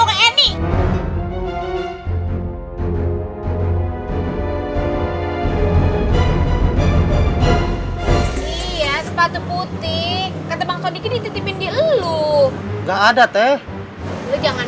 ini iya sepatu putih kata bangsa dikit dititipin di elu gak ada teh lu jangan